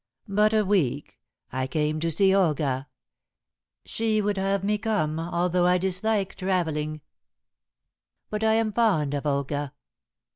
"But a week. I came to see Olga. She would have me come, although I dislike travelling. But I am fond of Olga."